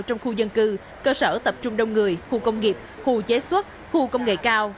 trong khu dân cư cơ sở tập trung đông người khu công nghiệp khu chế xuất khu công nghệ cao